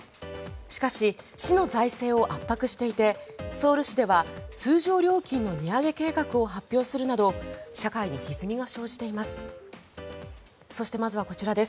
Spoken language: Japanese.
しかし、市の財政を圧迫していてソウル市では、通常料金の値上げ計画を発表するなど社会にひずみが生じています。